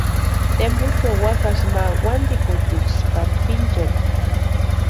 Tempucho wakasï ma wantikutiksï pari kwʼinchekwa.